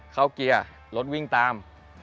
เกียร์รถวิ่งตาม